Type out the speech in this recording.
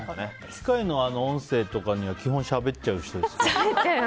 機械の音声とかには基本しゃべっちゃう人ですか？